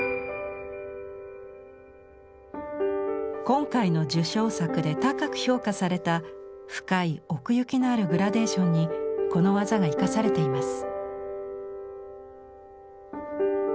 今回の受賞作で高く評価された深い奥行きのあるグラデーションにこの技が生かされています。